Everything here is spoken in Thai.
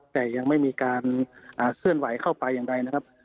แต่ยังไม่มีการเคลื่อนไหวเข้าไปอย่างใดนะครับ